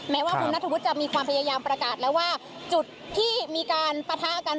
แม้ว่าคุณนัทธวุฒิจะมีความพยายามประกาศแล้วว่าจุดที่มีการปะทะกัน